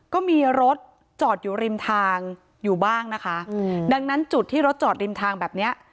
ก็มีรถจอดอยู่ริมทางอยู่บ้างนะคะอืมดังนั้นจุดที่รถจอดริมทางแบบเนี้ย